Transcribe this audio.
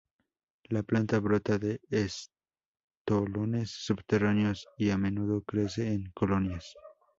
La planta brota de estolones subterráneos y, a menudo crece en colonias.